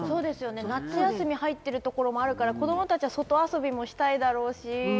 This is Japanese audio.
夏休みに入ってるところもあるから、子供たちは外遊びしたいところもあるだろうし。